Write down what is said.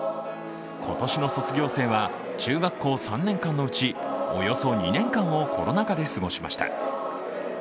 今年の卒業生は中学校３年間のうちおよそ２年間をコロナ禍で過ごしました。